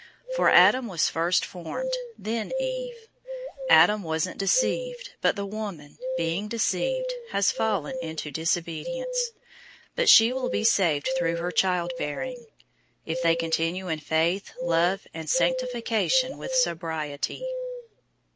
002:013 For Adam was first formed, then Eve. 002:014 Adam wasn't deceived, but the woman, being deceived, has fallen into disobedience; 002:015 but she will be saved through her childbearing, if they continue in faith, love, and sanctification with sobriety.